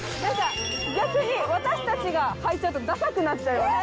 逆に私たちが入っちゃうとダサくなっちゃいます。